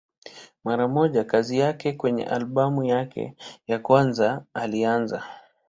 Mara moja kazi kwenye albamu yake ya kwanza ilianza.